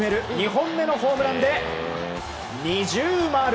２本目のホームランで二重丸！